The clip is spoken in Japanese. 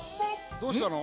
どうしたの？